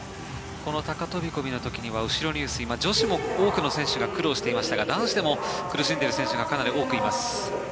この高飛込の時には後ろ入水女子も多くの選手が苦労していましたが男子でも苦しんでる選手がかなり多くいます。